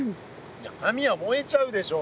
いや紙は燃えちゃうでしょ。